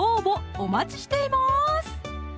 お待ちしています